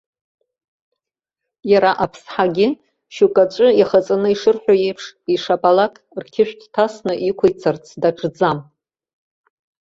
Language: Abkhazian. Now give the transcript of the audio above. Иара аԥсҳагьы, шьоук аҵәы иахаҵаны ишырҳәо еиԥш, ишабалак рқьышә дҭасны иқәицарц даҿӡам.